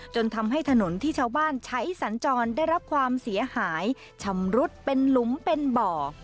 จนทำให้ถนนที่ชาวบ้านใช้สัญจรได้รับความเสียหายชำรุดเป็นหลุมเป็นบ่อ